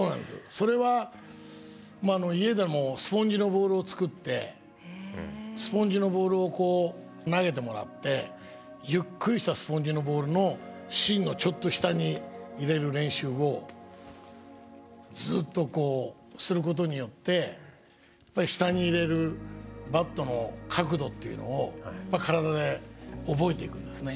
それは家でもスポンジのボールを作ってスポンジのボールを投げてもらってゆっくりしたスポンジのボールの芯のちょっと下に入れる練習をずっとすることによって下に入れるバットの角度っていうのを体で覚えていくんですね。